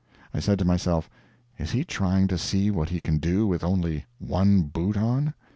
I said to myself, "Is he trying to see what he can do with only one boot on?"